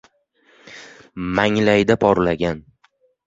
Manglayda porlagan